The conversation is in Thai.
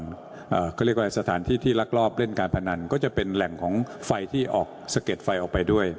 เขาเรียกว่าสถานที่ที่ลักลอบเล่นการพนันก็จะเป็นแหล่งของไฟที่ออกสะเก็ดไฟออกไปด้วย